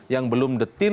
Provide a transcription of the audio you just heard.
yang belum detil